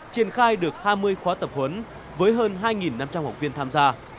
triển khai được hai mươi khóa tập huấn với hơn hai năm trăm linh học viên tham gia